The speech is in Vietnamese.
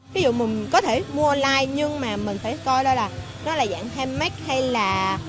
ví dụ mình có thể mua online nhưng mà mình phải coi đó là nó là dạng handmade hay là